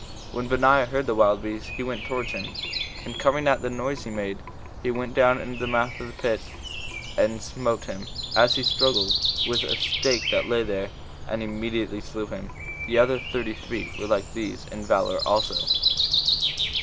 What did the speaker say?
When Benaiah heard the wild beast, he went towards him, and coming at the noise he made, he went down into the mouth of the pit and smote him, as he struggled, with a stake that lay there, and immediately slew him. The other thirty three were like these in valor also.